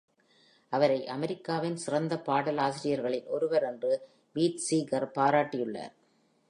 அவரை "அமெரிக்காவின் சிறந்த பாடலாசிரியர்களில் ஒருவர்" என்று பீட் சீகர் பாராட்டியுள்ளார்.